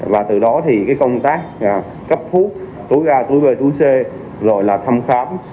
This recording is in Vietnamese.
và từ đó thì công tác cấp thuốc túi gà túi bề túi xê rồi là thăm khám